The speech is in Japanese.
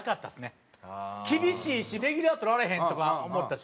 厳しいしレギュラーとられへんとか思ったし。